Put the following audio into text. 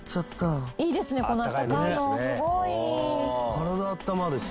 体あったまるし。